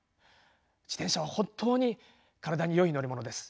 自転車は本当に体によい乗り物です。